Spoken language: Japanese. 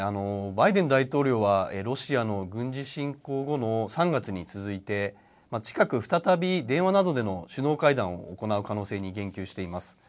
バイデン大統領はロシアの軍事侵攻後の３月に続いて近く再び電話などでの首脳会談を行う可能性に言及しています。